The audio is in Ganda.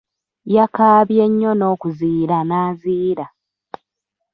Yakaabye nnyo n'okuziyira n'aziyira.